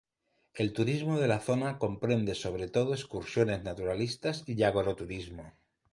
El turismo de la zona comprende sobre todo excursiones naturalistas y agroturismo.